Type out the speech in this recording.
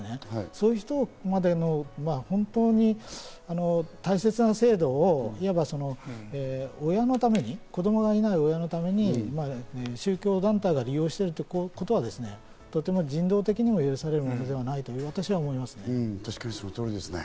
そういう人は今までも大切な制度を親のために、子供がいない親のために宗教団体が利用してるということはとても人道的にも許されるものではないと私は思いますね。